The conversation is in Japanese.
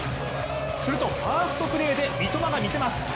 するとファーストプレーで三笘が見せます。